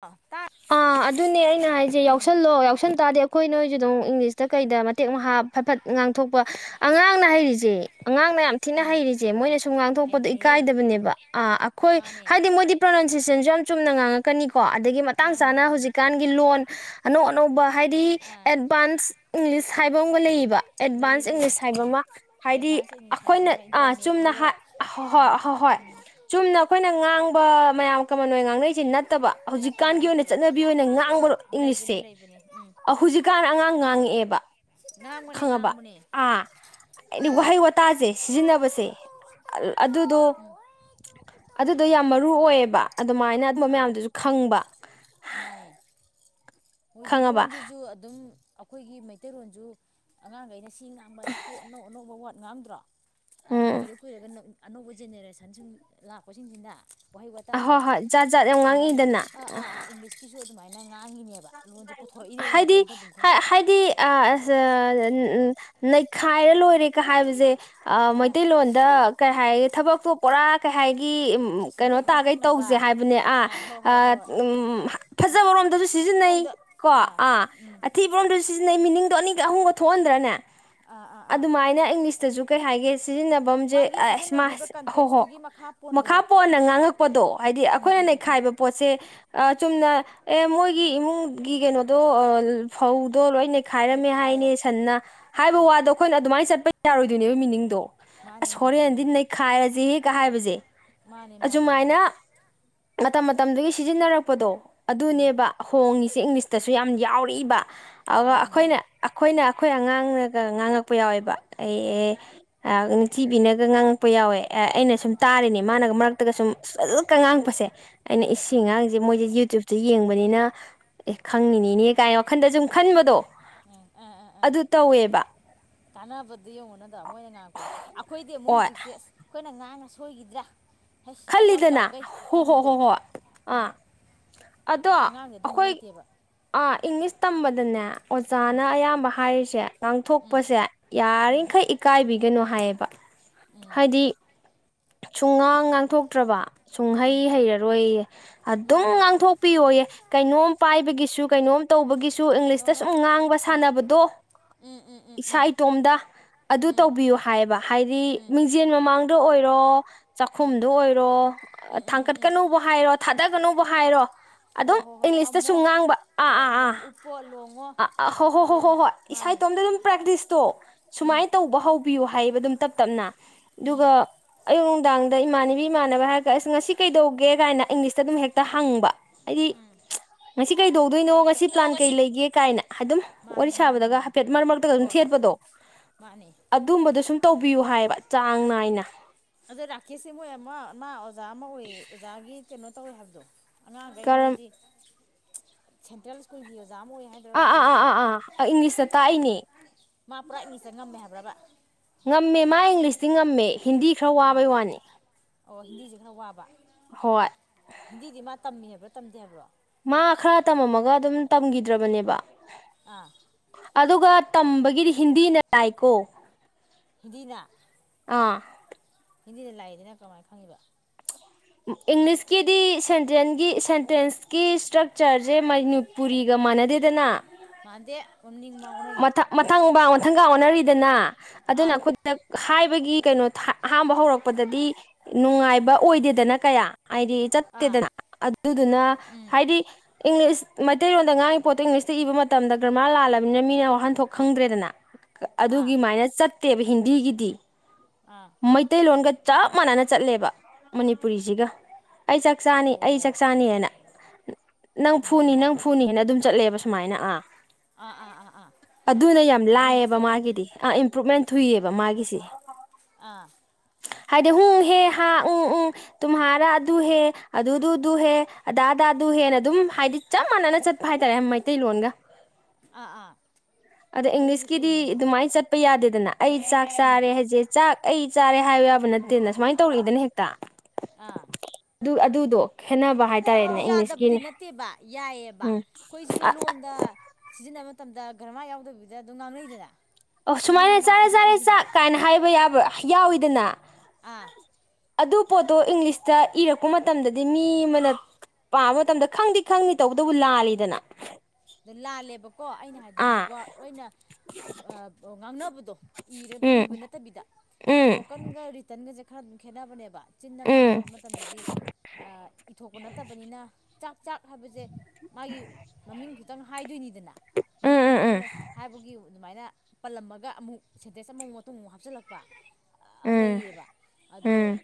ꯑ ꯇꯥꯏ ꯑꯥ ꯑꯗꯨꯅꯦ ꯑꯩꯅ ꯍꯥꯏꯁꯦ ꯎꯝ ꯌꯥꯎꯁꯜꯂꯣ ꯌꯥꯎꯁꯟ ꯇꯥꯔꯗꯤ ꯑꯩꯈꯣꯏ ꯅꯣꯏ ꯑꯗꯨꯝ ꯏꯪꯂꯤꯁꯇ ꯀꯩꯗ ꯃꯇꯦꯛ ꯃꯍꯥ ꯐꯠꯐꯠ ꯉꯥꯡꯊꯣꯛꯄ ꯑꯉꯥꯡꯅ ꯍꯩꯔꯤꯁꯦ ꯑꯉꯥꯡꯅ ꯌꯥꯝ ꯊꯤꯅ ꯎꯝ ꯍꯩꯔꯤꯁꯦ ꯃꯣꯏꯅ ꯁꯨꯝ ꯉꯥꯡꯊꯣꯛꯄꯗꯣ ꯍꯩꯕꯅꯦꯍꯦ ꯏꯀꯥꯏꯗꯕꯅꯤ ꯑ ꯑꯩꯈꯣꯏ ꯃꯥꯅꯦ ꯍꯥꯏꯗꯤ ꯃꯣꯏꯗꯤ ꯄ꯭ꯔꯅꯥꯎꯟ ꯁꯤꯑꯦꯁꯟ ꯁꯨ ꯌꯥꯝꯅ ꯆꯨꯝꯅ ꯉꯥꯡꯉꯛꯀꯅꯤꯀꯣ ꯑꯗꯒꯤ ꯃꯇꯥꯡ ꯉꯥꯡꯉꯦ ꯆꯥꯅ ꯉꯥꯡꯉꯦ ꯍꯧꯖꯤꯛꯀꯥꯟꯒꯤ ꯂꯣꯟ ꯑꯅꯧ ꯑꯅꯧꯕ ꯍꯥꯏꯗꯤ ꯑꯥ ꯑꯦꯠꯚꯥꯟꯁ ꯏꯪꯂꯤꯁ ꯍꯥꯏꯕ ꯑꯃꯒ ꯂꯩꯌꯦꯕ ꯂꯩꯌꯦ ꯑꯦꯗꯚꯥꯟꯁ ꯂꯩꯌꯦ ꯏꯪꯂꯤꯁ ꯍꯥꯏꯕ ꯎꯝ ꯑꯃ ꯍꯥꯏꯗꯤ ꯑꯦꯗꯚꯥꯟꯁ ꯏꯪꯂꯤꯁ ꯍꯥꯏꯕ ꯑꯩꯈꯣꯏꯅ ꯑꯃꯒ ꯑ ꯆꯨꯝꯅ ꯍꯣꯏ ꯍꯣꯏ ꯏꯩꯅ ꯆꯨꯝꯅ ꯑꯩꯈꯣꯏꯅ ꯉꯥꯡꯕ ꯃꯌꯥꯝ ꯀꯃꯟ ꯑꯣꯏꯅ ꯉꯥꯡꯅꯔꯤꯁꯤ ꯅꯠꯇꯕ ꯍꯧꯖꯤꯛ ꯅꯠꯇꯕ ꯍꯧꯖꯤꯛꯀꯥꯟꯒꯤ ꯑꯣꯏꯅ ꯅꯠꯇꯕ ꯆꯠꯅꯕꯤ ꯑꯣꯏꯅ ꯉꯥꯡꯕꯥ ꯏꯪꯂꯤꯁꯁꯦ ꯂꯩꯕꯅꯦ ꯂꯩꯕꯅꯦ ꯎꯝ ꯍꯧꯖꯤꯛꯀꯥꯟ ꯑꯉꯥꯡ ꯉꯥꯡꯉꯛꯑꯦꯕ ꯉꯥꯡꯕꯅꯦ ꯈꯪꯉ ꯑꯥꯕ ꯉꯥꯡꯕꯅꯦ ꯍꯥꯏꯗꯤ ꯑꯗꯨꯅꯦ ꯎꯝ ꯋꯥꯍꯩ ꯋꯥꯇꯥꯁꯦ ꯁꯤꯖꯤꯟꯅꯕꯁꯦ ꯑꯗꯨꯗꯣ ꯑꯗꯨꯗꯣ ꯌꯥꯝ ꯃꯔꯨ ꯑꯣꯏꯌꯦꯕ ꯑꯗꯨꯃꯥꯏꯅ ꯑꯗꯨꯝꯕ ꯑꯥ ꯃꯌꯥꯝꯗꯨꯁꯨ ꯈꯪꯕ ꯃꯥꯅꯦ ꯃꯣꯏꯁꯨ ꯈꯪꯉꯕ ꯂꯣꯟꯁꯤꯁꯨ ꯑꯗꯨꯝ ꯑꯩꯈꯣꯏꯒꯤ ꯃꯩꯇꯩꯔꯣꯟꯁꯨ ꯑꯉꯥꯡꯈꯩꯅ ꯁꯤ ꯉꯥꯡꯕ ꯑꯩꯈꯣꯏ ꯑꯅꯧ ꯑꯅꯧꯕ ꯋꯥꯠ ꯉꯥꯡꯗ꯭ꯔꯣ ꯎꯝ ꯀꯨꯏꯔ ꯀꯨꯏꯔꯒ ꯑꯅꯧꯕ ꯖꯦꯅꯦꯔꯦꯁꯟꯁꯤꯡ ꯂꯥꯛꯄꯁꯤꯡꯁꯤꯅ ꯋꯥꯍꯩ ꯋꯥꯇꯥꯁꯦ ꯍꯣꯏ ꯍꯣꯏ ꯖꯥꯠ ꯖꯥꯠ ꯌꯥꯝ ꯑꯗꯨꯃꯥꯏꯅ ꯉꯥꯡꯉꯛꯏꯗꯅ ꯑꯥ ꯑ ꯑꯥ ꯑꯥ ꯏꯪꯂꯤꯁꯀꯤꯁꯨ ꯑꯗꯨꯃꯥꯏꯅ ꯉꯥꯡꯉꯤꯅꯤ ꯍꯥꯏꯗꯤ ꯍꯥꯏ ꯍꯥꯏꯗꯤ ꯑ ꯎꯝ ꯎ ꯅꯩꯈꯥꯏꯔ ꯂꯣꯏꯔꯦꯒ ꯍꯥꯏꯕꯁꯦ ꯑꯥ ꯃꯩꯇꯩꯂꯣꯟꯗ ꯀꯩ ꯍꯥꯏꯔꯒꯦ ꯊꯕꯛ ꯑꯇꯣꯞꯄꯣꯔꯥ ꯀꯩ ꯍꯥꯏꯥꯏꯒꯤ ꯀꯩꯅꯣ ꯁꯨꯇꯦꯛꯅ ꯇꯥꯈꯩ ꯇꯦꯛꯅꯕ ꯇꯧꯁꯦ ꯍꯥꯏꯕꯅꯦ ꯍꯣꯏ ꯍꯣꯏ ꯑꯥ ꯍꯣꯏ ꯎ ꯐꯖꯕꯔꯣꯝꯗꯁꯨ ꯃꯑꯣꯡ ꯐꯖꯕ ꯁꯤꯖꯤꯟꯅꯩ ꯃꯑꯣꯡꯗ ꯀꯣ ꯑꯥ ꯎꯝ ꯑꯊꯤꯕ꯭ꯔꯣꯟꯗꯨꯁꯨ ꯁꯤꯖꯤꯟꯅꯩ ꯃꯤꯅꯤꯡꯗꯣ ꯑꯅꯤꯒ ꯑꯍꯨꯝꯒ ꯊꯣꯛꯍꯟꯗ꯭ꯔꯅꯦ ꯑꯥ ꯑꯥ ꯑꯥ ꯑꯗꯨꯃꯥꯏꯅ ꯏꯪꯂꯤꯁꯇꯁꯨ ꯀꯩ ꯍꯥꯏꯒꯦ ꯁꯤꯖꯤꯟꯅꯕꯝꯁꯦ ꯃꯥꯒꯤ ꯑꯁ ꯁꯤꯖꯤꯟꯅꯗꯣꯏꯕ ꯃꯥꯁ ꯍꯣ ꯍꯣ ꯀꯟꯇꯦꯛꯁꯇꯨꯒꯤ ꯃꯈꯥ ꯃꯈꯥ ꯄꯣꯟꯕꯗꯣ ꯄꯣꯟꯅ ꯉꯥꯡꯉꯛꯄꯗꯣ ꯍꯥꯏꯗꯤ ꯎꯝ ꯑꯩꯈꯣꯏꯅ ꯎꯝ ꯎꯝ ꯎꯝ ꯅꯩꯈꯥꯏꯕ ꯄꯣꯠꯁꯦ ꯑ ꯆꯨꯝꯅ ꯑꯦ ꯃꯣꯏꯒꯤ ꯏꯃꯨꯡꯒꯤ ꯀꯩꯅꯣꯗꯣ ꯐꯧꯗꯣ ꯂꯣꯏꯅ ꯈꯥꯏꯔꯝꯃꯦ ꯅꯩꯈꯥꯏꯔꯣ ꯍꯥꯏꯅꯦ ꯁꯟꯅ ꯍꯥꯏꯕ ꯑꯥ ꯋꯥꯗꯣ ꯑꯩꯈꯣꯏꯅ ꯑꯗꯨꯃꯥꯏꯅ ꯆꯠꯄ ꯌꯥꯔꯣꯏꯗꯣꯏꯅꯦꯕ ꯃꯤꯅꯤꯡꯗꯣ ꯃꯥꯅꯦ ꯑꯁ ꯃꯥꯅꯦ ꯍꯣꯔꯦꯟꯗꯤ ꯅꯩꯈꯥꯏꯔꯁꯦ ꯍꯦꯛꯒ ꯍꯥꯏꯕꯁꯦ ꯃꯥꯅꯦ ꯃꯥꯅꯦ ꯃꯥꯅꯤ ꯑꯁꯨꯃꯥꯏꯅ ꯃꯇꯝ ꯃꯇꯝꯗꯨꯒꯤ ꯁꯤꯖꯤꯟꯅꯔꯛꯄꯗꯣ ꯎꯝ ꯑꯗꯨꯅꯦꯕ ꯍꯣꯡꯉꯤꯁꯦ ꯏꯪꯂꯤꯁꯇꯁꯨ ꯌꯥꯝ ꯌꯥꯎꯔꯏꯕ ꯑꯗꯨꯒ ꯌꯥꯎꯔꯤꯅꯦ ꯑꯩꯈꯣꯏꯅ ꯑꯩꯈꯣꯏꯅ ꯑꯩꯈꯣꯏ ꯑꯉꯥꯡꯅꯒ ꯉꯥꯡꯉꯛꯄ ꯌꯥꯎꯋꯦꯕ ꯑꯥ ꯑꯩ ꯑꯦ ꯅꯤꯡꯊꯤꯕꯤꯅꯒ ꯉꯥꯡꯉꯛꯄ ꯌꯥꯎꯋꯦ ꯑꯩꯅ ꯁꯨꯝ ꯇꯥꯔꯤꯅꯦ ꯃꯥꯅꯒ ꯃꯔꯛꯇꯒ ꯁꯨꯝ ꯐꯂꯀ ꯉꯥꯡꯉꯛꯄꯁꯦ ꯑꯩꯅ ꯏꯁꯤꯡ ꯉꯥꯡꯁꯦ ꯃꯣꯏꯁꯦ ꯌꯨꯇ꯭ꯌꯨꯞꯇ ꯌꯦꯡꯕꯅꯤꯅ ꯑꯦ ꯈꯪꯅꯤꯡꯅꯤꯅꯦ ꯀꯥꯏꯅ ꯋꯥꯈꯟꯗ ꯁꯨꯝ ꯈꯟꯕꯗꯣ ꯑꯗꯨ ꯇꯧꯋꯦꯕ ꯀꯥꯟꯅꯕꯗ ꯌꯦꯡꯉꯨꯅꯗꯕ ꯃꯣꯏꯅ ꯉꯥꯡꯉꯛꯄꯗꯣ ꯑꯩꯈꯣꯏꯗꯤ ꯑꯃꯨꯛ ꯍꯣꯏ ꯍꯧꯖꯤꯛꯁꯦ ꯑꯁ ꯑꯩꯈꯣꯏꯅ ꯉꯥꯡꯉ ꯁꯣꯏꯈꯤꯗ꯭ꯔꯥ ꯍꯩꯁ ꯏꯆꯥꯎ ꯈꯜꯂꯤꯗꯅ ꯆꯥꯎꯈꯩ ꯍꯣ ꯍꯣ ꯈꯟꯕꯗꯣ ꯍꯣ ꯍꯣ ꯑ ꯑꯥ ꯑꯗꯣ ꯑꯗ ꯑꯉꯥꯡꯗꯤ ꯑꯗꯨꯝꯕ ꯑꯩꯈꯣꯏ ꯂꯩꯇꯦꯕ ꯏꯪꯂꯤꯁ ꯇꯝꯕꯗꯅꯦ ꯑꯣꯖꯥꯅ ꯑꯌꯥꯝꯕ ꯍꯥꯏꯔꯤꯁꯦ ꯎꯝ ꯉꯥꯡꯊꯣꯛꯄꯁꯦ ꯌꯥꯔꯤꯈꯩ ꯏꯀꯥꯏꯕꯤꯒꯦ ꯀꯩꯅꯣ ꯍꯥꯏꯌꯦꯕ ꯎꯝ ꯍꯥꯏꯗꯤ ꯁꯨꯝ ꯉꯥꯡ ꯉꯥꯡꯊꯣꯛꯇ꯭ꯔꯕ ꯎꯝ ꯁꯨꯡꯍꯩ ꯍꯩꯔꯔꯣꯏꯌꯦ ꯑꯗꯨꯝ ꯃꯥꯅꯦ ꯉꯥꯡꯊꯣꯛꯄꯤꯌꯣꯌꯦ ꯀꯩꯅꯣꯝ ꯄꯥꯏꯕꯒꯤꯁꯨ ꯀꯩꯅꯣꯝ ꯇꯧꯕꯒꯤꯁꯨ ꯅꯣ ꯏꯪꯂꯤꯁꯇ ꯅꯣ ꯁꯨꯝ ꯉꯥꯡꯕ ꯁꯥꯟꯅꯕꯗꯣ ꯎꯝ ꯎꯝ ꯎꯝ ꯏꯁꯥ ꯎꯝ ꯏꯇꯣꯝꯗ ꯑꯗꯨ ꯇꯧꯕꯤꯌꯨ ꯍꯥꯏꯌꯦꯕ ꯍꯥꯏꯗꯤ ꯃꯤꯡꯖꯦꯜ ꯃꯃꯥꯡ ꯑꯣꯏꯔꯣ ꯆꯥꯛꯈꯨꯝꯗ ꯑꯣꯏꯔꯣ ꯊꯥꯡꯀꯠꯀꯅꯨꯕꯨ ꯍꯥꯏꯔꯣ ꯑꯣ ꯊꯥꯗꯒꯅꯨꯧꯕ ꯍꯥꯏꯔꯣ ꯑꯗꯨꯝ ꯍꯣꯏ ꯍꯣꯏ ꯍꯣꯏ ꯏꯪꯂꯤꯁꯇ ꯊꯝꯃꯣ ꯁꯨꯝ ꯉꯥꯡꯕ ꯑꯥ ꯍꯣꯏ ꯑꯥ ꯍꯣꯏ ꯑꯥ ꯎꯞꯄꯣ ꯂꯣꯡꯉꯣ ꯑꯥ ꯑꯥ ꯍꯣ ꯍꯣ ꯍꯣ ꯑꯗꯩ ꯍꯣꯏ ꯍꯣꯏ ꯃꯥꯅꯦ ꯁꯥꯏꯇꯣꯝꯗ ꯑꯗꯨꯝ ꯄ꯭ꯔꯦꯛꯇꯤꯁꯇꯣ ꯎꯝ ꯁꯨꯃꯥꯏꯅ ꯇꯧꯕ ꯍꯧ ꯄꯤꯌꯨ ꯍꯥꯏꯕ ꯑꯗꯨꯝ ꯇꯞ ꯇꯞꯅ ꯎꯝ ꯑꯗꯨꯒ ꯑꯌꯨꯛ ꯅꯨꯡꯗꯥꯡꯗ ꯏꯃꯥꯅꯤ ꯅꯨꯕꯤ ꯏꯃꯥꯟꯅꯕ ꯍꯥꯏꯔꯒ ꯑꯁ ꯉꯁꯤ ꯀꯩꯗꯧꯒꯦ ꯀꯥꯏꯅ ꯏꯪꯂꯤꯁꯇ ꯑꯗꯨꯝ ꯍꯦꯛꯇ ꯍꯪꯕ ꯍꯥꯏꯗꯤ ꯃꯁꯤꯁꯤ ꯀꯩ ꯗ ꯑꯗꯨꯏꯅꯣ ꯉꯁꯤ ꯄ꯭ꯂꯥꯟ ꯀꯩ ꯂꯩꯒꯦ ꯀꯥꯏꯅ ꯍꯥꯏꯝ ꯋꯥꯔꯤ ꯃꯥꯅꯦ ꯃꯥꯅꯦ ꯁꯥꯕꯗꯒ ꯃꯥꯅꯦ ꯍꯥꯏꯐꯦꯠ ꯃꯔꯛ ꯃꯔꯛꯇꯒ ꯑꯗꯨꯝ ꯍꯣꯏ ꯍꯣꯏ ꯊꯦꯠꯄꯗꯣ ꯃꯥꯅꯦ ꯑꯗꯨꯝꯕꯗꯣ ꯁꯨꯝ ꯇꯧꯕꯤꯌꯨ ꯍꯥꯏꯌꯦꯕ ꯆꯥꯡ ꯅꯥꯏꯅ ꯑꯗꯣ ꯔꯥꯀꯦꯁꯁꯤ ꯃꯣꯏ ꯑꯃ ꯃꯥ ꯑꯣꯖꯥ ꯑꯃ ꯑꯣꯏ ꯑꯣꯖꯥꯒꯤ ꯀꯩꯅꯣ ꯇꯧꯋꯦ ꯍꯥꯏꯕꯗꯣ ꯑꯉꯥꯡꯈꯩ ꯀꯔꯝ ꯃꯣꯏꯗꯤ ꯁꯦꯟꯇ꯭ꯔꯦꯜ ꯁ꯭ꯀꯨꯜꯒꯤ ꯑꯣꯏ ꯑꯣꯖꯥ ꯑꯃ ꯍꯥꯏꯗ꯭ꯔꯣ ꯑꯥ ꯑꯥ ꯑꯥ ꯔꯥꯀꯦꯁꯇꯣ ꯑꯥ ꯑꯥ ꯏꯪꯂꯤꯁꯇ ꯇꯥꯛꯏꯅꯦ ꯃꯥ ꯄꯨꯔꯥ ꯏꯅꯤꯇ ꯉꯝꯃꯦ ꯍꯥꯏꯕ꯭ꯔꯕ ꯉꯝꯃꯦ ꯃꯥ ꯏꯪꯂꯤꯁꯇꯤ ꯉꯝꯃꯦ ꯍꯤꯟꯗꯤ ꯈꯔ ꯋꯥꯕꯩ ꯋꯥꯅꯤ ꯍꯤꯟꯗꯤꯁꯤ ꯈꯔ ꯋꯥꯕ ꯍꯣꯏ ꯍꯤꯟꯗꯤꯗꯤ ꯃꯥ ꯇꯝꯃꯤ ꯍꯥꯏꯕ꯭ꯔꯥ ꯇꯝꯗꯦ ꯍꯥꯏꯕ꯭ꯔꯣ ꯃꯥ ꯈꯔ ꯇꯝꯃꯝꯃꯒ ꯑꯗꯨꯝ ꯇꯝꯈꯤꯗ꯭ꯔꯕꯅꯦꯕ ꯑꯥ ꯑꯗꯨꯒ ꯇꯝꯕꯒꯤꯗꯤ ꯍꯤꯟꯗꯤꯅ ꯂꯏꯀꯣ ꯍꯤꯟꯗꯤꯅꯥ ꯋꯥꯥ ꯍꯤꯟꯗꯤꯗ ꯂꯥꯛꯏꯗꯅ ꯀꯃꯥꯏꯅ ꯈꯪꯉꯤꯕ ꯏꯪꯂꯤꯁꯀꯤꯗꯤ ꯁꯦꯟꯇꯦꯟꯁꯀꯤ ꯏꯁꯇ꯭ꯔꯛ ꯆꯔꯁꯦ ꯃꯅꯨ ꯄꯨꯔꯤꯒ ꯃꯥꯟꯅꯗꯦꯗꯅ ꯃꯥꯟꯗꯦ ꯃꯅꯤꯡ ꯃꯥꯡ ꯃ ꯑꯣꯟꯅꯩꯅꯦ ꯃꯊꯪ ꯃꯕꯥ ꯃꯊꯪꯀ ꯑꯣꯟꯅꯔꯤꯗꯅ ꯑꯗꯨꯅ ꯑꯥ ꯈꯨ ꯍꯥꯏ ꯍꯥꯏꯕꯒꯤ ꯀꯩꯅꯣ ꯑꯍꯝꯕ ꯍꯧꯔꯛꯄꯗꯗꯤ ꯅꯨꯡꯉꯥꯏꯕ ꯑꯣꯏꯗꯦꯗꯅ ꯀꯌꯥ ꯍꯥꯏꯗꯤ ꯑꯥ ꯆꯠꯇꯦꯗꯅ ꯑꯗꯨꯗꯨꯅ ꯎꯝ ꯍꯥꯏꯗꯤ ꯏꯪꯂꯤꯁ ꯃꯩꯇꯩꯂꯣꯟꯣꯟꯗ ꯉꯥꯡꯒꯤ ꯄꯣꯠꯇꯣ ꯏꯪꯂꯤꯁꯇ ꯏꯕ ꯃꯇꯝꯗ ꯒ꯭ꯔꯃꯥꯔ ꯂꯥꯜꯂꯒ ꯑꯗꯨꯝꯅ ꯃꯤꯅ ꯋꯥꯍꯟꯊꯣꯛ ꯈꯪꯗ꯭ꯔꯦꯗꯅ ꯑꯥ ꯑꯗꯨꯒꯤꯃꯥꯏꯅ ꯆꯠꯇꯦꯕ ꯍꯤꯟꯗꯤꯒꯤꯗꯤ ꯑꯥ ꯃꯩꯇꯩꯂꯣꯟꯒ ꯆꯞ ꯃꯥꯟꯅꯅ ꯆꯠꯂꯦꯕ ꯃꯅꯤꯄꯨꯔꯤꯁꯤꯒ ꯑꯩ ꯆꯥꯛ ꯆꯥꯅꯤ ꯑꯩ ꯆꯥꯛ ꯑꯣ ꯆꯥꯅꯤ ꯍꯥꯏꯅ ꯅꯪ ꯐꯨꯅꯤ ꯑꯗꯨꯃꯥꯏꯅ ꯅꯪ ꯐꯨꯅꯤ ꯍꯥꯏꯅ ꯑꯗꯨꯝ ꯆꯠꯂꯦꯕ ꯁꯨꯃꯥꯏꯅ ꯑꯥ ꯑꯥ ꯑꯥ ꯑꯥ ꯑꯥ ꯑꯗꯨꯅ ꯌꯥꯝ ꯑꯣ ꯂꯥꯏꯑꯕ ꯍꯤꯟꯗꯤꯁꯦ ꯃꯥꯒꯤꯗꯤ ꯑꯥ ꯏꯝꯄ꯭ꯔꯨꯨꯞꯃꯦꯟ ꯊꯨꯏꯌꯦꯕ ꯃꯥꯒꯤꯁꯦ ꯑꯥ ꯍꯥꯏꯗꯤ ꯍꯣꯡ ꯍꯦ ꯍꯥ ꯎ ꯎꯝ ꯇꯨꯝꯍꯥꯔꯥ ꯑꯗꯨꯍꯦ ꯑꯗꯨꯗꯨꯗꯨ ꯍꯦ ꯑꯗꯥ ꯑꯗꯥꯗꯨ ꯍꯦꯅ ꯑꯗꯨꯝ ꯍꯥꯏꯗꯤ ꯆꯞ ꯃꯥꯟꯅ ꯅ ꯆꯠꯄ ꯍꯥꯏꯇꯥꯔꯦ ꯃꯩꯇꯩꯂꯣꯟꯒ ꯑꯥ ꯑꯥ ꯑꯗ ꯑꯗꯨꯗꯤ ꯏꯪꯂꯤꯁꯀꯤꯗꯤ ꯐꯩꯅꯦ ꯑꯗꯨꯗꯤ ꯑꯗꯨꯃꯥꯏꯅ ꯆꯠꯄ ꯌꯥꯗꯦꯗꯅ ꯑꯩ ꯆꯥꯛ ꯎꯝ ꯆꯥꯔꯦ ꯍꯥꯏꯁꯦ ꯆꯥꯛ ꯑꯩ ꯆꯥꯔꯦ ꯍꯥꯏꯕ ꯌꯥꯕ ꯅꯠꯇꯦꯗ ꯁꯨꯃꯥꯏꯅ ꯇꯧꯔꯛꯏꯗꯅ ꯍꯦꯛꯇ ꯑꯥ ꯑꯗꯨ ꯑꯗꯨꯗꯣ ꯈꯦꯠꯅꯕ ꯍꯥꯏꯇꯥꯔꯦꯅꯦ ꯑꯗꯨ ꯌꯥꯗꯕꯗꯤ ꯏꯪꯂꯤꯁꯀꯤꯅꯦ ꯅꯠꯇꯦꯕ ꯌꯥꯏꯑꯕ ꯎꯝ ꯑꯩꯈꯣꯏꯁꯨ ꯑ ꯂꯣꯟꯗ ꯁꯤꯖꯤꯟꯅꯕ ꯃꯇꯝꯗ ꯒꯔ ꯃꯥ ꯌꯥꯎꯗꯕꯤꯗ ꯑꯗꯨꯝ ꯉꯥꯡꯅꯩꯗꯅ ꯑꯣ ꯃꯅꯤꯡ ꯁꯨꯃꯥꯏꯅ ꯃꯃꯥꯡ ꯆꯥꯔꯦ ꯑꯣꯟꯊꯣꯛ ꯆꯥꯔꯦ ꯑꯣꯟꯁꯤꯟꯒ ꯆꯥꯛ ꯀꯥꯏꯅ ꯍꯥꯏꯕ ꯌꯥꯕ ꯌꯥꯎꯋꯤꯗꯅ ꯑꯥ ꯑꯗꯨ ꯄꯣꯠꯇꯣ ꯏꯪꯂꯤꯁꯇ ꯏꯔꯛꯄ ꯃꯇꯝꯗꯗꯤ ꯃꯤ ꯑꯃꯅ ꯄꯥꯕ ꯃꯇꯝꯗ ꯈꯪꯗꯤ ꯈꯪꯅꯤ ꯇꯧꯕꯇꯕꯨ ꯂꯥꯜꯂꯤꯗꯅ ꯑ ꯂꯥꯜꯂꯦꯕꯀꯣ ꯑꯩꯅ ꯍꯥꯏꯕꯗꯤ ꯑꯥ ꯖꯨꯒꯔ ꯂ ꯑꯣꯏꯅ ꯉꯥꯡꯅꯕꯗ ꯎꯝ ꯏꯕ ꯅꯠꯇꯕꯤꯗ ꯎꯝ ꯏꯁꯄꯣꯀꯟꯒ ꯔꯤꯇꯟꯒꯁꯦ ꯈꯔ ꯑꯗꯨꯝ ꯈꯦꯠꯅꯕꯅꯦꯕ ꯆꯤꯟꯅ ꯎꯝ ꯉꯥꯡꯅꯕ ꯃꯇꯝꯗꯗꯤ ꯏꯊꯣꯛꯄ ꯅꯠꯇꯕꯅꯤꯅ ꯆꯥꯛ ꯆꯥꯛ ꯍꯥꯏꯕꯁꯦ ꯃꯥꯒꯤ ꯃꯃꯤꯡ ꯇꯪ ꯍꯥꯏꯗꯣꯏꯅꯤꯗꯅ ꯃꯃꯤꯡ ꯎꯝ ꯎꯝ ꯈꯛꯇꯪꯅ ꯍꯥꯏꯕꯒꯤ ꯑꯗꯨꯃꯥꯏꯅ ꯄꯜꯂꯝꯃꯒ ꯑꯃꯨꯛ ꯁꯦꯟꯗ꯭ꯦꯁ ꯑꯃꯃꯨꯛ ꯃꯇꯨꯡ ꯑꯃꯨꯛ ꯍꯥꯞꯆꯤꯜꯂꯛꯄ ꯎꯝ ꯎꯝ ꯂꯩꯌꯦꯕ ꯎꯝ ꯑꯗꯣ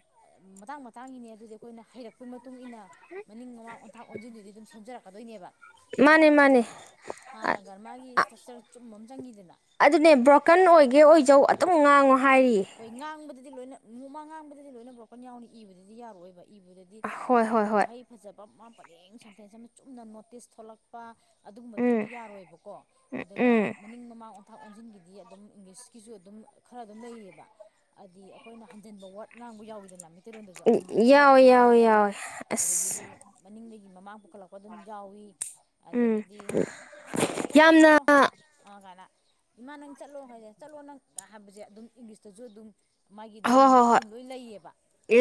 ꯃꯇꯥꯡ ꯃꯇꯥꯡꯒꯤꯅꯦ ꯑꯗꯨꯗꯤ ꯑꯩꯈꯣꯏꯅ ꯍꯩꯔꯛꯄ ꯃꯇꯨꯡ ꯏꯟꯅ ꯃꯅꯤꯡ ꯃꯃꯥꯡ ꯑꯣꯟꯊꯥꯛ ꯑꯣꯟꯁꯤꯟꯗꯨꯗꯤ ꯑꯗꯨꯝ ꯁꯦꯝꯖꯔꯛꯀꯗꯣꯏꯅꯦꯕ ꯃꯥꯅꯦ ꯃꯥꯅꯦ ꯍ ꯍꯥꯟꯅ ꯒꯔꯃꯒꯤ ꯏꯁꯇ꯭ꯔꯛꯆꯔ ꯆꯨꯝꯕ ꯑꯃ ꯆꯪꯉꯤꯗꯅ ꯑꯗꯨꯅꯦ ꯕ꯭ꯔꯣꯀꯟ ꯑꯣꯏꯒꯦ ꯑꯣꯏꯖꯧ ꯑꯗꯨꯝ ꯉꯥꯡꯉꯣ ꯍꯥꯏꯔꯤꯌꯦ ꯍꯣꯏ ꯉꯥꯡꯕꯗꯗꯤ ꯂꯣꯏꯅ ꯅꯃ ꯉꯥꯡꯕꯗꯗꯤ ꯂꯣꯏꯅ ꯕ꯭ꯔꯣꯀꯟ ꯌꯥꯎꯅꯤ ꯏꯕꯗꯨꯗꯤ ꯌꯥꯔꯣꯏꯑꯣꯏꯕ ꯏꯕꯗꯗꯤ ꯍꯣꯏ ꯍꯣꯏ ꯍꯣꯏ ꯋꯥꯍꯩ ꯐꯖꯕ ꯑꯃ ꯄꯔꯦꯡ ꯁꯦꯟꯇꯦꯟꯁ ꯑꯃ ꯆꯨꯝꯅ ꯅꯣꯇꯤꯁ ꯊꯣꯛꯂꯛꯄ ꯑꯗꯨꯒꯨꯝꯕꯗꯨꯗꯤ ꯎꯝ ꯑꯝꯇ ꯌꯥꯔꯣꯏꯕꯀꯣ ꯑꯗꯨꯒ ꯎꯝ ꯃꯅꯤꯡ ꯃꯃꯥꯡ ꯊ ꯊꯥꯛ ꯑꯣꯟꯁꯤꯟꯒꯤꯗꯤ ꯑꯗꯨꯝ ꯏꯪꯂꯤꯁꯀꯤꯁꯨ ꯑꯗꯨꯝ ꯈꯔ ꯑꯗꯨꯝ ꯂꯩꯔꯤꯑꯕ ꯍꯥꯏꯗꯤ ꯑꯩꯈꯣꯏꯅ ꯍꯟꯖꯤꯟꯕ ꯋꯥꯔꯗ ꯉꯥꯡꯕ ꯌꯥꯎꯋꯤꯗꯅ ꯏꯩꯇꯩꯔꯣꯟꯗꯁꯨ ꯍꯟꯖꯤꯟꯕ ꯋꯥꯠꯂꯤ ꯌꯥꯎꯋꯦ ꯉꯥꯡꯕ ꯌꯥꯎꯋꯦ ꯌꯥꯎꯋꯤ ꯌꯥꯎꯋꯦ ꯑꯁ ꯑꯗꯒꯤꯗꯤ ꯃꯅꯤꯡ ꯃꯃꯥ ꯄꯨꯈꯠꯂꯛꯄ ꯑꯗꯨꯝ ꯌꯥꯎꯏꯤ ꯎꯝ ꯑꯗꯒꯤꯗꯤ ꯆꯠꯂꯣ ꯌꯥꯝꯅ ꯆꯠꯂꯣ ꯑ ꯀꯥꯏꯅ ꯏꯃꯥ ꯅꯪ ꯆꯠꯂꯣ ꯍꯥꯏꯁ ꯆꯠꯂꯣ ꯅꯪ ꯍꯥꯏꯕꯁꯦ ꯑꯗꯨꯝ ꯏꯪꯂꯤꯁꯇꯁꯨ ꯑꯗꯨꯝ ꯃꯥꯒꯤꯗꯨꯒꯤ ꯍꯣꯏ ꯍꯣꯏ ꯍꯟꯗꯣꯛ ꯍꯣꯏ ꯍꯟꯖꯤꯟ ꯂꯣꯏ ꯂꯩꯌꯦꯕ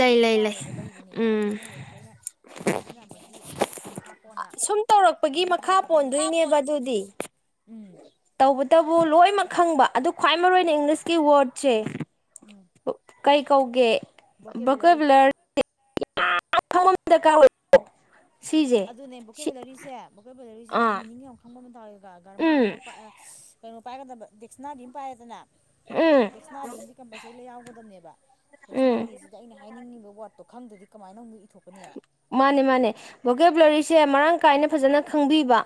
ꯂꯩ ꯂꯩ ꯂꯩ ꯌꯥꯔꯣꯏꯕ ꯂꯩꯔꯤꯅꯦꯕ ꯎꯝ ꯑꯗꯨꯗꯤ ꯍꯌꯦꯡ ꯑꯩꯈꯣꯏꯅ ꯁꯤꯖꯤꯟꯅꯕꯒꯤ ꯃꯈꯥ ꯄꯣꯟꯅ ꯁꯨꯝ ꯇꯧꯔꯛꯄꯒꯤ ꯑꯗꯨꯝ ꯃꯈꯥ ꯍꯩꯔꯛꯀꯗꯣꯏꯅꯦ ꯄꯣꯟꯗꯣꯏꯅꯦꯕ ꯑꯗꯨꯗꯤ ꯇꯧꯕꯇꯕꯨ ꯂꯣꯏꯅꯃꯛ ꯈꯪꯕ ꯑꯗꯨ ꯈ꯭ꯋꯥꯏ ꯃꯔꯨ ꯑꯣꯏꯅ ꯏꯪꯂꯤꯁꯀꯤ ꯋꯥꯔꯗꯁꯦ ꯎꯝ ꯀꯩ ꯀꯧꯒꯦ ꯣꯀꯦꯕꯣꯂꯣꯔꯤꯦ ꯌꯥꯀ ꯑꯣꯏꯣ ꯑꯗꯨꯅꯦ ꯕꯣꯦꯕꯦꯂꯔꯤꯁꯦ ꯕꯣꯀꯦ ꯕꯦꯂꯔꯤꯁꯦ ꯌꯥꯝ ꯑꯥ ꯃꯤꯅꯤꯡ ꯌꯥꯝ ꯈꯪꯕ ꯇꯧꯋꯦ ꯒꯔꯃꯥꯔ ꯎꯝ ꯑꯃ ꯀꯩꯅꯣ ꯄꯥꯏꯒꯗꯕ ꯗꯤꯦꯛꯁꯅꯥꯔꯤ ꯑꯃ ꯄꯥꯏꯔꯗꯅ ꯎꯝ ꯗꯗꯤꯦꯛꯁꯅꯥꯔꯤ ꯑꯃꯗꯤꯗꯤ ꯀꯝꯄꯜꯁꯔꯤꯗ ꯌꯥꯎꯒꯗꯕꯅꯦꯕ ꯎꯝ ꯗꯗꯤꯦꯛꯁꯅꯥꯔꯤꯁꯤꯗ ꯑꯩꯅ ꯍꯥꯏꯅꯤꯡꯉꯤꯕ ꯋꯥꯔꯠꯇꯣ ꯈꯪꯗꯗꯤꯃꯥꯏꯅꯛ ꯃꯥꯅꯦ ꯃꯥꯅꯦ ꯕꯣꯒꯦꯕ꯭ꯂꯔꯤꯁꯦ ꯃꯔꯥꯡ ꯀꯥꯏꯅ ꯐꯖꯅ ꯈꯪꯕꯤꯕ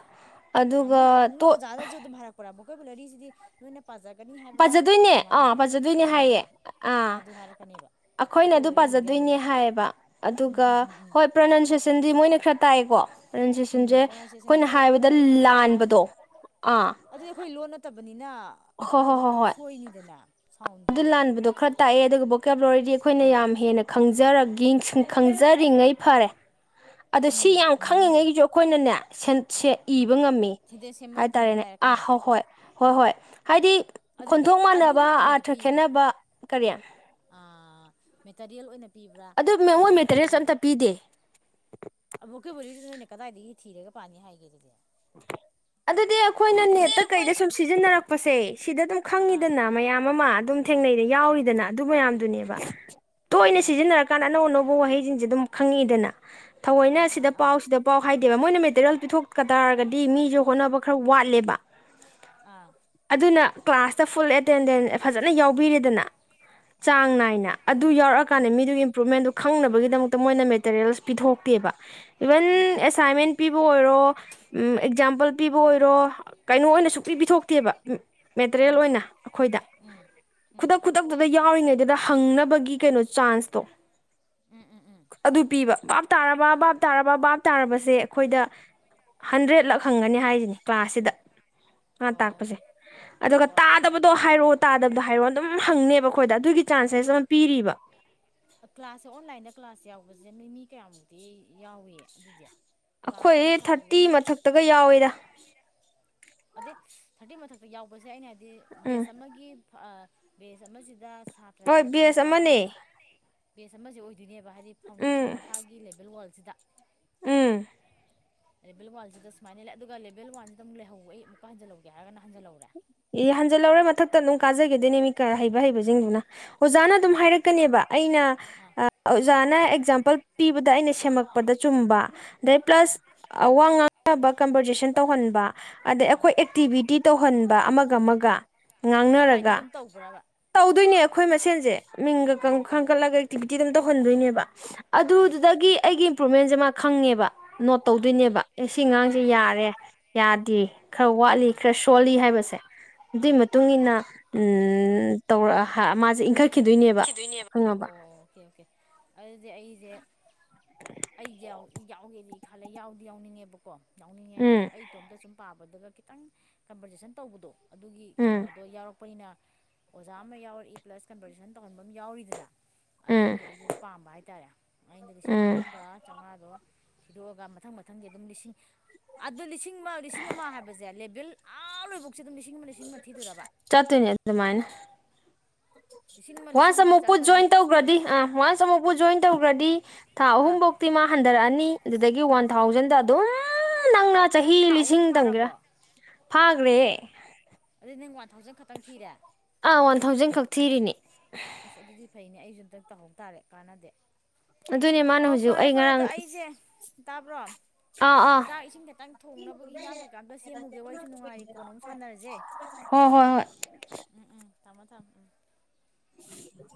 ꯑꯗꯨꯒ ꯇꯣ ꯣꯏꯥ ꯑꯗꯨꯝꯚꯔꯛ ꯄꯔꯥꯕꯣ ꯀꯣꯏꯂꯣꯔꯤꯁꯤꯗꯤ ꯅꯣꯏ ꯄꯥꯖꯒꯅꯤ ꯍꯥꯏꯕ꯭ꯔꯥ ꯄꯥꯖꯗꯣꯏꯅꯦ ꯀꯃꯥꯏꯅ ꯑꯥ ꯍꯥꯏ ꯄꯥꯖꯗꯣꯏꯅꯦ ꯍꯥꯏꯕ꯭ꯔꯥ ꯍꯥꯏꯌꯦ ꯑꯥ ꯑꯗꯨ ꯍꯥꯏꯔꯛꯀꯅꯦꯕ ꯑꯩꯈꯣꯏꯅ ꯑꯗꯨ ꯕꯣꯀꯦꯕꯨꯂꯔꯤ ꯂꯤꯡꯗ ꯌꯥꯔꯣꯏꯕ ꯄꯥꯖꯗꯣꯏꯅꯦ ꯍꯥꯏꯌꯦꯕ ꯎꯝ ꯑꯗꯨꯒ ꯎꯝ ꯎꯝ ꯎꯝ ꯍꯣꯏ ꯄ꯭ꯔꯣꯅꯎꯟꯁꯦꯁꯟꯗꯤ ꯃꯣꯏꯅ ꯈꯔ ꯇꯥꯏꯕꯣ ꯎꯝ ꯔꯦꯟꯁꯤꯁꯟꯁꯦ ꯄ꯭ꯔꯣꯅꯥꯎꯟꯁꯤꯌꯦꯁꯟꯗꯤ ꯑꯩꯈꯣꯏꯅ ꯍꯥꯏꯕꯗ ꯑꯩꯈꯣꯏꯅ ꯂꯥꯟꯕꯗꯣ ꯍꯥꯏꯕꯗ ꯑꯥ ꯑꯩꯅ ꯍꯣꯏ ꯈꯔ ꯍꯣꯏ ꯑꯗꯨ ꯍꯣꯏ ꯃꯈ ꯍꯣꯏ ꯁꯣꯏꯅꯤꯗꯅ ꯑꯗꯨ ꯁꯥꯎꯟꯗꯨꯗꯤ ꯂꯥꯟꯕꯗꯣ ꯈꯔ ꯇꯥꯛꯑꯦ ꯑꯗꯨꯒꯕꯨ ꯕꯣ ꯀꯦꯞ ꯂꯣꯔꯗꯤ ꯑꯩꯈꯣꯏꯅ ꯌꯥꯝ ꯍꯦꯟꯅ ꯈ ꯪꯖꯔ ꯈꯪꯖꯔꯤꯉꯩ ꯐꯔꯦ ꯑꯗ ꯁꯤ ꯎꯝ ꯌꯥꯝ ꯃꯤꯅꯤꯡꯗꯣ ꯈꯪꯉꯤꯉꯩꯒꯤꯁꯨ ꯑꯩꯈꯣꯏꯅꯅꯦ ꯁꯦꯟ ꯁꯦ ꯏꯕ ꯉꯝꯃꯤ ꯁꯦꯟꯇꯦꯟꯁ ꯁꯦꯝꯕ ꯃꯇꯝꯗ ꯍꯥꯏꯇꯥꯔꯦꯅꯦ ꯑ ꯍꯣ ꯂꯥꯏꯔꯛꯀꯅꯦꯕ ꯍꯣꯏ ꯍꯣꯏ ꯍꯣꯏ ꯍꯥꯏꯗꯤ ꯑꯗꯨꯒꯤ ꯈꯣꯟꯊꯣꯛ ꯃꯥꯟꯅꯕ ꯑꯗꯨꯒꯤ ꯀꯩꯅꯣꯗꯤ ꯑꯥꯔꯊ ꯈꯦꯠꯅꯕ ꯀꯔꯤ ꯑ ꯃꯦꯇꯔꯤꯌꯦꯜ ꯑꯣꯏꯅ ꯄꯤꯕ꯭ꯔꯥ ꯑꯗꯨ ꯃꯣꯏ ꯀꯃꯥꯏꯅ ꯄꯤ ꯃꯦꯇꯔꯤꯌꯦꯜꯁ ꯑꯗꯨꯏꯗꯤ ꯑꯝꯇ ꯄꯤꯗꯦ ꯑ ꯕꯣꯛꯀꯦ ꯑꯗꯨ ꯅꯣꯏꯅ ꯀꯗꯥꯏꯗꯒꯤ ꯊꯤꯔꯒ ꯄꯥꯅꯤ ꯍꯥꯏꯒꯦ ꯑꯗꯨꯗꯤ ꯑꯗꯨꯗꯤ ꯑꯩꯈꯣꯏꯅ ꯅꯦꯠꯇ ꯀꯩꯗ ꯁꯨꯝ ꯁꯤꯖꯤꯟꯅꯔꯛꯄꯁꯦ ꯁꯤꯗ ꯑꯗꯨꯝ ꯑꯥ ꯈꯪꯉꯤꯗꯅ ꯃꯌꯥꯝ ꯑꯃ ꯑꯗꯨꯝ ꯑꯥ ꯊꯦꯡꯅꯩꯗ ꯑꯥ ꯌꯥꯎꯔꯤꯗꯅ ꯑꯗꯨ ꯃꯌꯥꯝꯗꯨꯅꯦꯕ ꯑꯥ ꯇꯣꯏꯅ ꯑꯥ ꯁꯤꯖꯤꯟꯅꯔꯀꯥꯟꯗ ꯑꯅꯧ ꯑꯅꯧꯕ ꯋꯥꯍꯩꯁꯤꯡꯁꯦ ꯑꯗꯨꯝ ꯈꯪꯉꯛꯏꯗꯅ ꯊꯧꯑꯣꯏꯅ ꯑꯥ ꯑꯥ ꯁꯤꯗ ꯑꯥ ꯄꯥꯎ ꯁꯤꯗ ꯄꯥꯎ ꯍꯥꯏꯗꯦꯕ ꯃꯣꯏꯅ ꯃꯦꯇꯔꯤꯌꯦꯜ ꯄꯤꯊꯣꯛ ꯇꯥꯔꯒꯗꯤ ꯃꯤꯁꯨ ꯍꯣꯠꯅꯕ ꯈꯔ ꯋꯥꯠꯂꯦꯕ ꯑꯥ ꯑꯗꯨꯅ ꯀ꯭ꯂꯥꯁꯇ ꯐꯨꯜ ꯑꯦꯇꯦꯟꯗꯦꯟꯁ ꯑꯦ ꯐꯖꯅ ꯌꯥꯎꯕꯤꯔꯦꯗꯅ ꯑꯥ ꯆꯥꯡ ꯅꯥꯏꯅ ꯑꯗꯨ ꯌꯥꯎꯔꯛꯑꯀꯥꯟꯗ ꯃꯤꯗꯨꯒꯤ ꯏꯝꯄ꯭ꯔꯨꯚꯃꯦꯟꯗꯨ ꯈꯪꯅꯕꯒꯤꯗꯃꯛꯇ ꯅ ꯃꯦꯇꯔꯤꯌꯦꯜꯁ ꯄꯤꯊꯣꯛꯇꯦꯕ ꯏꯚꯟ ꯑꯦꯁꯥꯏꯟꯃꯦꯟ ꯄꯤꯕ ꯑꯣꯏꯔꯣ ꯑꯝ ꯑꯦꯛꯖꯥꯝꯄꯜ ꯄꯤꯕ ꯑꯣꯏꯔꯣ ꯀꯩꯅꯣ ꯑꯣꯏꯅ ꯁꯨꯄꯤ ꯄꯤꯊꯣꯛꯇꯦꯕ ꯑꯝ ꯃꯦꯇꯔꯤꯌꯦꯜ ꯑꯣꯏꯅ ꯑꯩꯈꯣꯏꯗ ꯈꯨꯗꯛ ꯈꯨꯗꯛꯇꯨꯗ ꯌꯥꯎꯔꯤꯉꯩꯗꯨꯗ ꯍꯪꯅꯕꯒꯤ ꯀꯩꯅꯣ ꯆꯥꯟꯁꯇꯣ ꯎꯝ ꯎꯝ ꯎꯝ ꯑꯗꯨ ꯄꯤꯕ ꯕꯥꯞ ꯇꯥꯔꯕ ꯕꯥꯞ ꯇꯥꯔꯕ ꯕꯥꯞ ꯇꯥꯔꯕꯁꯦ ꯑꯩꯈꯣꯏꯗ ꯍꯟꯗ꯭ꯔꯦꯗ ꯂꯛ ꯍꯪꯒꯅꯤ ꯍꯥꯏꯁꯤꯅꯤ ꯀ꯭ꯂꯥꯁꯁꯤꯗ ꯃꯥ ꯑꯣ ꯇꯥꯛꯄꯁꯦ ꯑꯗꯨꯒ ꯑꯣ ꯇꯥꯗꯕꯗꯣ ꯍꯥꯏꯔꯛꯑꯣ ꯇꯥꯗꯕꯗꯣ ꯍꯥꯏꯔꯛꯑꯣ ꯑꯗꯨꯝ ꯍꯪꯅꯦꯕ ꯑꯩꯈꯣꯏꯗ ꯑꯗꯨꯒꯤ ꯑꯗꯨ ꯆꯥꯟꯁꯦꯁ ꯑꯃ ꯄꯤꯔꯤꯕ ꯀ꯭ꯂꯥꯁꯁꯦ ꯑꯣꯟꯂꯥꯏꯟꯗ ꯀ꯭ꯂꯥꯁ ꯌꯥꯎꯕꯁꯦ ꯃꯤ ꯃꯤ ꯀꯌꯥꯃꯨꯛꯇꯤ ꯌꯥꯎꯏ ꯑꯗꯨꯗꯤ ꯀ꯭ꯂꯥꯁꯇꯨꯒꯤ ꯑꯩꯈꯣꯏ ꯁꯥꯇ꯭ꯔ ꯊꯔꯇꯤ ꯂꯣꯏꯅꯃꯛ ꯃꯊꯛꯇꯒꯥ ꯌꯥꯑꯣꯏꯗꯥ ꯑꯗꯩ ꯊꯥꯔꯇꯤ ꯃꯊꯛꯇ ꯌꯥꯎꯕꯁꯦ ꯑꯩꯅ ꯍꯥꯏꯗꯤ ꯎꯝ ꯕꯦꯁ ꯑꯃꯒꯤ ꯑ ꯕꯦꯁ ꯑꯃꯁꯤꯗ ꯁꯥꯇ꯭ꯔꯁꯦ ꯍꯣꯏ ꯑꯗꯨꯝ ꯕꯤꯁ ꯑꯃꯅꯦ ꯆꯥꯎꯔꯥꯛꯅ ꯕꯦꯁ ꯑꯃꯁꯦ ꯑꯣꯏꯗꯣꯏꯅꯦꯕ ꯍꯥꯏꯗꯤ ꯐꯥꯎꯟꯗꯦꯁꯟ ꯎꯝ ꯃꯈꯥꯒꯤ ꯂꯦꯕꯦꯜ ꯋꯥꯔꯜꯁꯤꯗ ꯎꯝ ꯂꯦꯕꯦꯜ ꯋꯥꯟꯁꯤꯗ ꯁꯨꯃꯥꯏꯅ ꯂꯩ ꯑꯗꯨꯒ ꯂꯦꯕꯦꯜ ꯋꯥꯟꯁꯤꯗ ꯑꯃꯨꯛ ꯂꯩꯍꯧꯕ ꯑꯩ ꯑꯃꯨꯛꯀ ꯍꯟꯖꯜꯍꯧꯦꯔꯒꯅ ꯍꯟꯖꯜꯍꯧꯔꯦ ꯑꯦ ꯍꯟꯖꯜꯍꯧꯔꯦ ꯃꯊꯛꯇ ꯑꯗꯨꯝ ꯀꯥꯖꯈꯤꯦꯗꯣꯏꯅꯦ ꯃꯤꯀ ꯍꯩꯕ ꯍꯩꯕꯁꯤꯡꯗꯨꯅ ꯑꯣꯖꯥꯅ ꯑꯗꯨꯝ ꯑꯥ ꯍꯥꯏꯔꯛꯀꯅꯦꯕ ꯑꯩꯅ ꯑꯥ ꯑꯣꯖꯥꯅ ꯑꯦꯛꯖꯥꯝꯄꯜ ꯄꯤꯕꯗ ꯑꯩꯅ ꯁꯦꯝꯃꯛꯄꯗ ꯆꯨꯝꯕ ꯑꯗꯩ ꯄ꯭ꯂꯁ ꯑꯥ ꯑꯥ ꯋꯥ ꯉꯥꯡꯕ ꯀꯕꯔꯖꯦꯁꯟ ꯇꯧꯍꯟꯕ ꯑꯗꯩ ꯑꯥ ꯑꯩꯈꯣꯏ ꯑꯦꯛꯇꯤꯚꯇꯤ ꯇꯧꯍꯟꯕ ꯑꯃꯒ ꯑꯃꯒ ꯑꯣꯟꯂꯥꯏꯟꯗ ꯉꯥꯡꯅꯔꯒ ꯑꯗꯨꯝ ꯇꯧꯕ꯭ꯔꯕ ꯇꯧꯗꯣꯏꯅꯦ ꯑꯩꯈꯣꯏ ꯃꯁꯦꯟꯁꯦ ꯃꯤꯡꯒ ꯀꯟ ꯑꯣ ꯈꯟꯒꯠꯂꯒ ꯑꯦꯛꯇꯤꯕꯤꯇꯤ ꯑꯗꯨꯝ ꯇꯧꯍꯟꯗꯣꯏꯅꯦꯕ ꯑꯥ ꯑꯗꯨꯗꯨꯗꯒꯤ ꯑꯩꯒꯤ ꯏꯝꯄ꯭ꯔꯨꯕꯃꯦꯟꯁꯦ ꯃꯥ ꯈꯪꯉꯦꯕ ꯅꯣꯠ ꯑꯥ ꯇꯧꯗꯣꯏꯅꯦꯕ ꯑꯦ ꯁꯤ ꯉꯥꯡꯁꯦ ꯑꯥ ꯌꯥꯔꯦ ꯌꯥꯗꯦ ꯑꯥ ꯈꯔ ꯋꯥꯠꯂꯤ ꯑꯥ ꯈꯔ ꯁꯣꯜꯂꯤ ꯍꯥꯏꯕꯗ ꯁꯦ ꯑꯗꯨꯏ ꯑꯥ ꯃꯇꯨꯡ ꯏꯟꯅ ꯑꯝ ꯇꯧꯔꯑ ꯍ ꯃꯥꯖꯦ ꯏꯪꯈꯠ ꯈꯤꯗꯣꯏꯅꯦꯕ ꯑꯣ ꯑꯣꯀꯦ ꯑꯣꯀꯦ ꯑꯗꯨꯗꯤ ꯑꯩꯁꯦ ꯑꯩꯁꯦ ꯌꯥꯎ ꯌꯥꯎꯒꯦꯗꯤ ꯈꯜꯂꯦ ꯌꯥꯎꯗꯤ ꯌꯥꯎꯅꯤꯡꯉꯦꯕꯀꯣ ꯌꯥꯎꯅꯤꯡꯉꯦ ꯍꯥꯏꯗꯤ ꯎꯝ ꯑꯩ ꯏꯇꯣꯝꯇ ꯁꯨꯝ ꯄꯥꯕꯗꯒ ꯈꯤꯇꯪ ꯀꯝꯕꯔꯖꯦꯁꯟ ꯇꯧꯕꯗꯣ ꯑꯗꯨꯒꯤ ꯎꯝ ꯀꯩꯅꯣꯗꯣ ꯌꯥꯎꯔꯛꯄꯅꯤꯅ ꯑꯣꯖꯥ ꯑꯃ ꯌꯥꯎꯔꯛꯏ ꯄ꯭ꯂꯁ ꯀꯟꯕꯔꯇꯁꯟ ꯇꯧꯍꯟꯕ ꯑꯃ ꯌꯥꯎꯔꯤꯗꯅ ꯎꯝ ꯑꯗꯨꯒꯤ ꯑꯩꯁꯨ ꯄꯥꯝꯕ ꯍꯥꯏꯇꯥꯔꯦ ꯑꯩꯅ ꯂꯤꯁꯤꯡ ꯎꯝ ꯑꯍꯨꯝꯒ ꯆꯧꯉꯥꯗꯣ ꯊꯤꯗꯣꯛꯑꯒ ꯃꯊꯪ ꯃꯊꯪꯗꯤ ꯑꯗꯨꯝ ꯂꯤꯁꯤꯡ ꯑꯗꯨ ꯂꯤꯁꯤꯡ ꯑꯃ ꯂꯤꯁꯤꯡ ꯑꯃ ꯍꯥꯏꯕꯁꯦ ꯂꯦꯚꯦꯜ ꯑꯥ ꯂꯣꯏꯕꯣꯛ ꯆꯠꯇꯣꯏ ꯑꯗꯨꯃꯥꯏꯅ ꯁꯤ ꯋꯥꯟꯁ ꯑꯃꯨꯛꯄꯨ ꯖꯣꯏꯟ ꯇꯧꯈ꯭ꯔꯗꯤ ꯑ ꯋꯥꯟꯁ ꯑꯃꯨꯛ ꯄꯨꯨ ꯖꯣꯏꯟ ꯇꯧꯈ꯭ꯔꯗꯤ ꯊꯥ ꯑꯥ ꯑꯍꯨꯝꯕꯣꯛꯇꯤ ꯃꯥ ꯍꯟ ꯔꯑꯅꯤ ꯑꯗꯨꯗꯒꯤ ꯑꯥ ꯋꯥꯟ ꯊꯥꯎꯖꯟꯗ ꯑꯗꯨꯝ ꯅꯪꯅ ꯅꯪ ꯆꯍꯤ ꯊꯥ ꯑꯍꯨꯝ ꯂꯤꯁꯤꯡ ꯊꯝꯒꯦꯔꯥ ꯐꯥꯔꯕꯣ ꯐꯥꯈ꯭ꯔꯦ ꯁꯤ ꯅꯪ ꯋꯥꯟ ꯊꯥꯎꯖꯟ ꯈꯛꯇꯪ ꯊꯤꯔꯦ ꯊꯤꯔꯤꯅꯤ ꯑꯁ ꯑꯗꯨꯗꯤ ꯐꯩꯅꯦ ꯑꯩꯁꯨ ꯑꯝꯇꯪ ꯇꯃꯧ ꯇꯥꯔꯦ ꯀꯥꯟꯅꯗꯦ ꯑꯗꯨꯅꯦ ꯃꯥꯅ ꯑꯣ ꯍꯧꯖꯤꯛ ꯐꯔꯦ ꯑꯩ ꯐꯔꯦ ꯑꯗꯣ ꯉꯔꯥꯡ ꯑꯩꯁꯦ ꯇꯥꯕ꯭ꯔꯣ ꯑꯥ ꯑꯥ ꯆꯥꯛ ꯏꯁꯤꯡ ꯈꯤꯇꯪ ꯊꯣꯡꯅꯕꯒꯤ ꯍꯟꯖꯥꯡ ꯀꯩꯀꯥ ꯑꯝꯇ ꯁꯦꯝꯃꯨꯒꯦ ꯋꯥꯔꯤ ꯑꯩꯁꯨ ꯅꯨꯡꯉꯥꯏꯔꯤ ꯀꯣꯟꯅ ꯑꯃꯝꯛ ꯁꯥꯟꯅꯔꯁꯦ ꯍꯣꯏ ꯍꯣꯏ ꯍꯣꯏ ꯎꯝ ꯎꯝ ꯊꯝꯃꯣ ꯊꯝꯃ ꯎꯝ ꯎꯝ